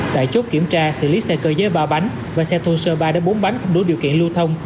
tại chốt kiểm tra xử lý xe cơ giới ba bánh và xe thô sơ ba bốn bánh không đủ điều kiện lưu thông